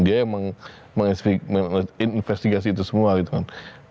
dia yang menginvestigasi itu semua gitu kan